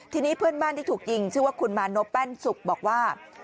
ทีนี้เพื่อนบ้านที่ถูกยิงชื่อว่าคุณมานพแป้นสุกบอกว่า